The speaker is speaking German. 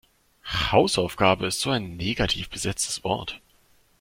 Hausaufgabe ist so ein negativ besetztes Wort.